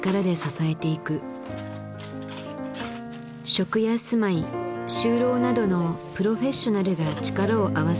食や住まい就労などのプロフェッショナルが力を合わせる。